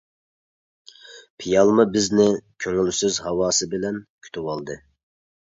پىيالما بىزنى كۆڭۈلسىز ھاۋاسى بىلەن كۈتۈۋالدى.